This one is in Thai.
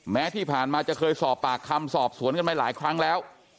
แม้ที่ผ่านมาจะเคยสอบปากคำสอบสวนกันมาหลายครั้งแล้ว